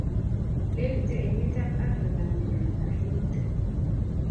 lekite emetab Afrika ng'wenonikab bolutik